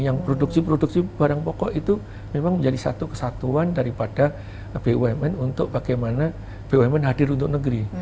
yang produksi produksi barang pokok itu memang menjadi satu kesatuan daripada bumn untuk bagaimana bumn hadir untuk negeri